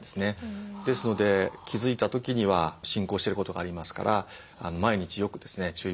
ですので気付いた時には進行してることがありますから毎日よくですね注意